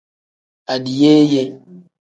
Adiyeeye.